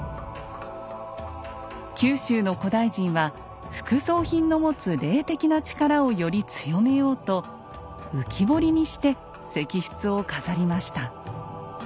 九州の古代人は副葬品の持つ霊的な力をより強めようと浮き彫りにして石室を飾りました。